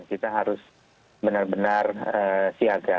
kita harus benar benar siaga